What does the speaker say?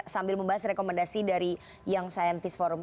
sambil membahas rekomendasi dari young scientist forum